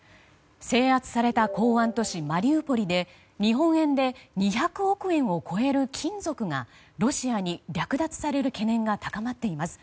制圧された港湾都市マリウポリで日本円で２００億円を超える金属がロシアに略奪される懸念が高まっています。